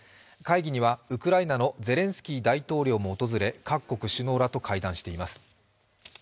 会議にはウクライナのゼレンスキー大統領も訪れ各国首脳らと会談しています。